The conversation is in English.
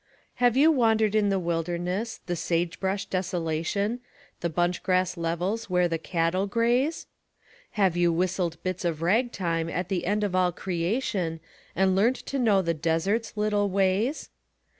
Have you wandered in the wilderness, the sagebrush desolation, The bunch grass levels where the cattle graze? Have you whistled bits of rag time at the end of all creation, And learned to know the desert's little ways?